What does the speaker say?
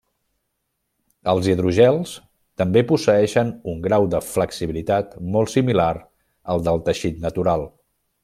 Els hidrogels també posseeixen un grau de flexibilitat molt similar al del teixit natural.